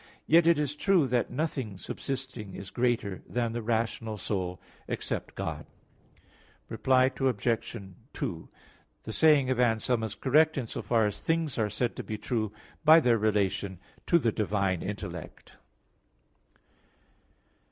Yet it is true that nothing subsisting is greater than the rational soul, except God. Reply Obj. 2: The saying of Anselm is correct in so far as things are said to be true by their relation to the divine intellect.